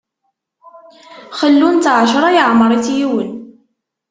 Xellun-tt ɛecṛa, yeɛmeṛ-itt yiwen.